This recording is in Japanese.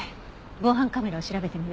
防犯カメラを調べてみる。